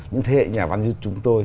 những thế hệ nhà văn như chúng tôi